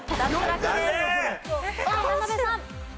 渡辺さん。